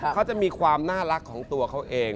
เขาจะมีความน่ารักของตัวเขาเอง